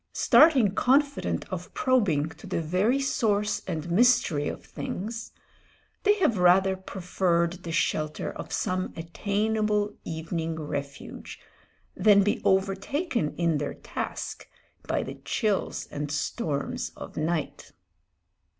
Starting confident of probing to the very source and mystery of things, they have rather preferred the shelter of some attainable evening refuge than be overtaken in their task by the chills and storms of night.